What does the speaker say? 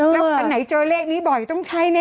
แล้วอันไหนเจอเลขนี้บ่อยต้องใช้แน่